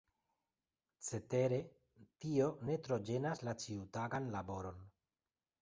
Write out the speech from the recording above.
Cetere tio ne tro ĝenas la ĉiutagan laboron.